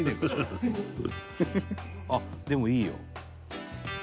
あっでもいいよ。